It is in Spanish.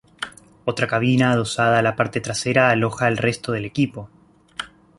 Otra cabina adosada a la parte trasera aloja el resto del equipo.